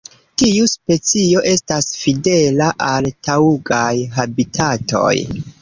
Tiu specio estas fidela al taŭgaj habitatoj.